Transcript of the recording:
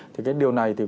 thì cái điều này